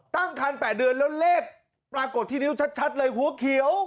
ตั้งคัน๘เดือนแล้วเลขปรากฏที่นิ้วชัดเลยหัวเขียว